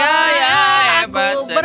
sekarang aku akan mencari stroberi